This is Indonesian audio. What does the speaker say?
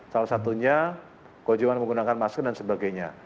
salah satunya kewajiban menggunakan masker dan sebagainya